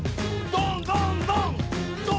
どんどんどん！